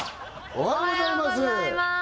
おはようございます！